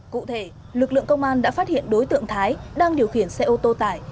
cụ thể lực lượng công an đã phát hiện đối tượng thái đang điều khiển xe ô tô tải